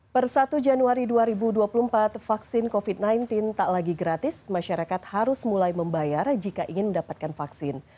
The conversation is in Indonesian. per satu januari dua ribu dua puluh empat vaksin covid sembilan belas tak lagi gratis masyarakat harus mulai membayar jika ingin mendapatkan vaksin